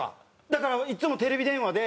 だからいつもテレビ電話で。